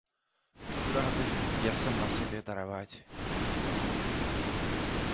Здрады я сама сабе дараваць не змагу.